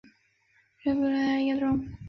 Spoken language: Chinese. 葎草蚜为常蚜科蚜属下的一个种。